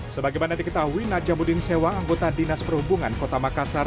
sebagai mana diketahui najamuddin sewang anggota dinas perhubungan kota makassar